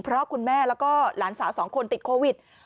เพราะคุณแม่แล้วก็หลานสาว๒คนติดโควิด